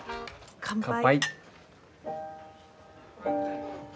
乾杯。